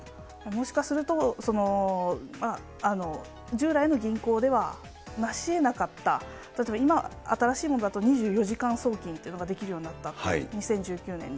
もしかすると、従来の銀行ではなしえなかった、例えば今、新しいものだと２４時間送金というのができるようになったと、２０１９年に。